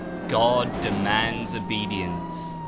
God demands obedience.